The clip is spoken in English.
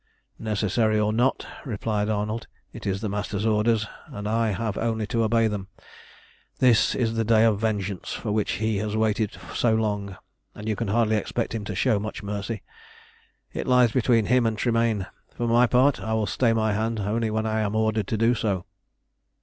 "Necessary or not," replied Arnold, "it is the Master's orders, and I have only to obey them. This is the day of vengeance for which he has waited so long, and you can hardly expect him to show much mercy. It lies between him and Tremayne. For my part I will stay my hand only when I am ordered to do so.